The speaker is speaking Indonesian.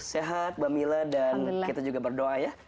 sehat bami lela dan kita juga berdoa ya